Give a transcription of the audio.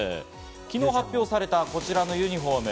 昨日発表されたこちらのユニホーム。